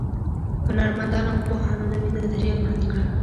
هنرمندانو او پوهانو نوي نظریات وړاندې کړل.